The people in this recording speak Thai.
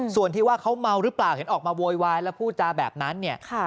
ส่วนที่ว่าเขาเมาหรือเปล่าเห็นออกมาโวยวายแล้วพูดจาแบบนั้นเนี่ย